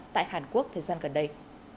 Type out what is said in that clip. tại hàn quốc thời gian gần đây